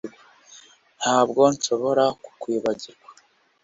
Ntabwo nshobora kukwibagirwa